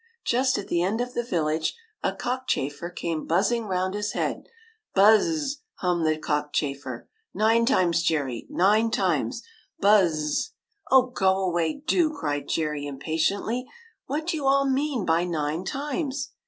Just at the end of the village, a cockchafer came buzzing round his head. " Buz z z !" hummed the cockchafer. " Nine times, Jerry, nine times ! Buz z z !"" Oh, go away, do !" cried Jerry, impatiently. "What do you all mean by nine times